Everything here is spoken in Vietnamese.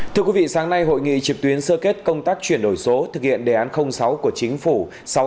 thưa quý vị sáng nay hội nghị trực tuyến sơ kết công tác chuyển đổi số thực hiện đề án sáu của chính phủ